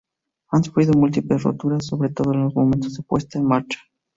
Ha sufrido múltiples roturas, sobre todo en los momentos de puesta en marcha.